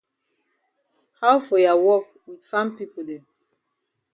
How for ya wok wit farm pipo dem?